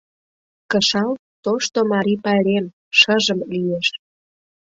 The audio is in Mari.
Кышал — тошто марий пайрем, шыжым лиеш.